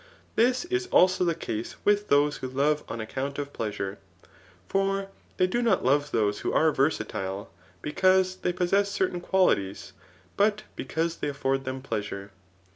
This is also the case with those who love on account of pleasure. For they do not love those who are versatile, because they possess certain qua lities, but because they afford them pleasure.